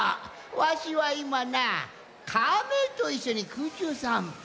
わしはいまなカメといっしょにくうちゅうさんぽ。